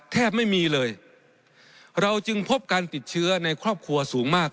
แทบไม่มีเลยเราจึงพบการติดเชื้อในครอบครัวสูงมาก